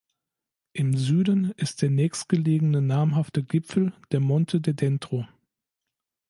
Im Süden ist der nächstgelegene namhafte Gipfel der Monte de Dentro.